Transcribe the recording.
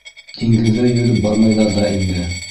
Диңгеҙҙә йөҙөп бармайҙар ҙа инде?